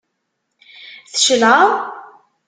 Tcelεeḍ?